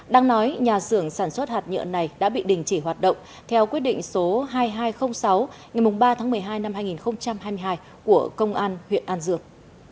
đang nói nhà xưởng sản xuất hạt nhựa này đã bị đình chỉ hoạt động theo quyết định số hai nghìn hai trăm linh sáu ngày ba tháng một mươi hai năm hai nghìn hai mươi hai của công an huyện an dương